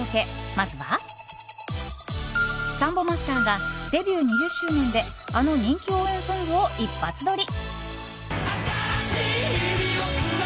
まずは、サンボマスターがデビュー２０周年であの人気応援ソングを一発撮り。